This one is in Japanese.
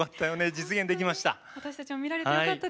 実現できました。